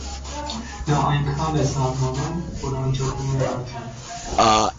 Նա այնքան է զարմանում, որ անջատում է ռադիոն։